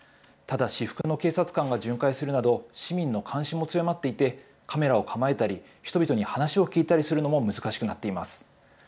ただ私服の警察官が巡回するなど、市民の監視も強まっていて、カメラを構えたり、人々に話を聞いたりするのも難しくなっています。